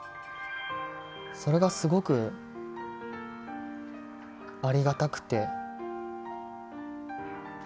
それがすごくありがたくて救われて。